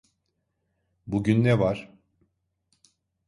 Bugün ne var?